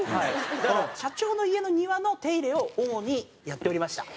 だから社長の家の庭の手入れを主にやっておりました。